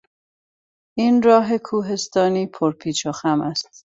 این راه کوهستانی پر پیچ و خم است.